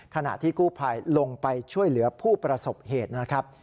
ขณะที่กู้ภัยลงไปช่วยเหลือผู้ประสบเหตุนะครับ